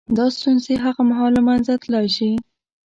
• دا ستونزې هغه مهال له منځه تلای شي.